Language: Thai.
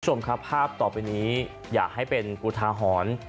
ผู้ชมครับภาพต่อไปนี้อย่าให้เป็นกุฑาหอน